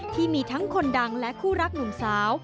ที่มีทั้งคนดังและคู่รักหนุ่มสาว